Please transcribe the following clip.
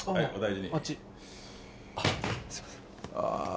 あっちすいませんああ